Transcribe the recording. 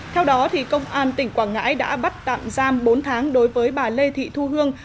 theo đó công an tỉnh quảng ngãi đã bắt tạm giam bốn tháng đối với bà lê thị thu hương